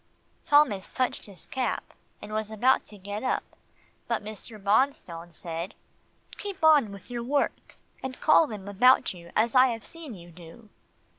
Thomas touched his cap, and was about to get up but Mr. Bonstone said, "Keep on with your work, and call them about you as I have seen you do."